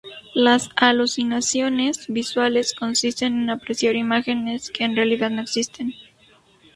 Las alucinaciones visuales consisten en apreciar imágenes que en realidad no existen.